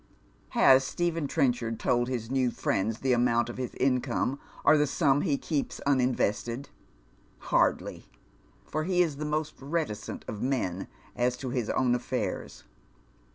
Has Stephen Trenchard told his new friends the amount of his income, or the sum he keeps un invested? Hardly, for he is the most reticent of men as to his own affairs.